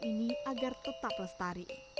ini agar tetap lestari